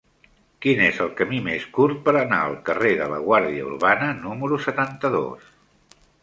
Quin és el camí més curt per anar al carrer de la Guàrdia Urbana número setanta-dos?